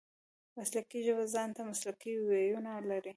مسلکي ژبه ځان ته مسلکي وییونه لري.